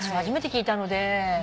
初めて聞いたので。